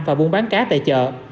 và buôn bán cá tại chợ